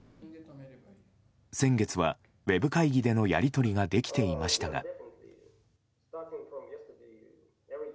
先月はウェブ会議でのやり取りができていましたが。